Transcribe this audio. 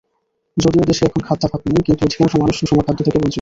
যদিও দেশে এখন খাদ্যাভাব নেই, কিন্তু অধিকাংশ মানুষ সুষম খাদ্য থেকে বঞ্চিত।